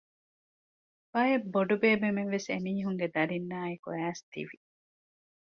ބައެއް ބޮޑުބޭބެމެންވެސް އެމީހުންގެ ދަރިންނާއެކު އައިސް ތިވި